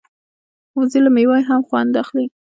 وزې له مېوې هم خوند اخلي